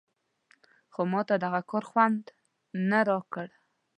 خو ماته دغه کار خوند نه راکړ.